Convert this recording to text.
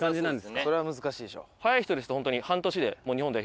そりゃあ難しいでしょ。